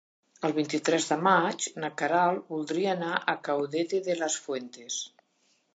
El vint-i-tres de maig na Queralt voldria anar a Caudete de las Fuentes.